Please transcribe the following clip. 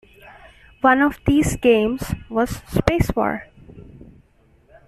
One of these games was Spacewar!